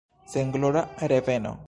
Senglora reveno!